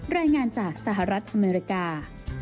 รายงานจากสหรัฐอเมริกา